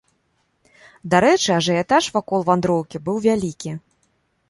Дарэчы ажыятаж вакол вандроўкі быў вялікі.